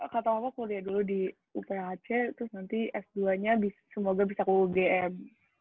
kata bapak kuliah dulu di uphc terus nanti s dua nya semoga bisa ke ugm